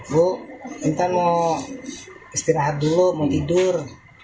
bu kita mau istirahat dulu mau tidur